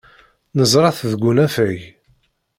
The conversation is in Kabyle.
Neẓra-t deg unafag.